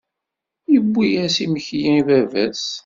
Yewwi-yas imekli i baba-s.